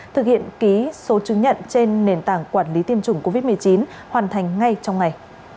thực hiện ký số chứng nhận trên nền tảng quản lý tiêm chủng covid một mươi chín hoàn thành ngay trong ngày